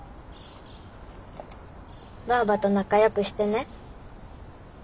ばあばと仲よくしてね。